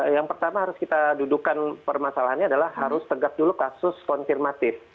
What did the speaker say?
yang pertama harus kita dudukan permasalahannya adalah harus tegak dulu kasus konfirmatif